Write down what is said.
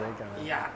いや。